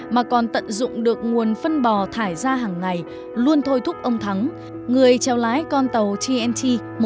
mà còn tận dụng được nguồn phân bò thải ra hàng ngày luôn thôi thúc ông thắng người treo lái con tàu tnt một trăm một mươi